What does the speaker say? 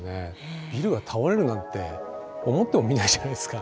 ビルが倒れるなんて思ってもみないじゃないですか。